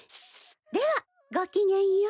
ではごきげんよう。